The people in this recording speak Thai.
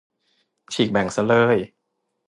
ฉีกแบ่งซะเลย